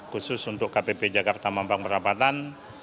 khusus untuk kpp jakarta mampang perapatan